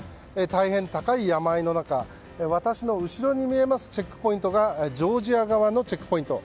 大変高い山あいの中私の後ろに見えますチェックポイントがジョージア側のチェックポイント。